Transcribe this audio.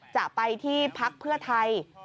จะไปที่พักเพื่อไทย